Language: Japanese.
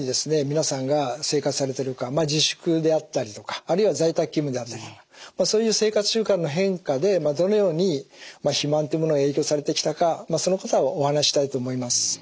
皆さんが生活されているか自粛であったりとかあるいは在宅勤務であったりとかそういう生活習慣の変化でどのように肥満というものに影響されてきたかそのことをお話ししたいと思います。